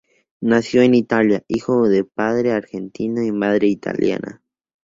Nació en Italia, hijo de padre argentino y madre italiana.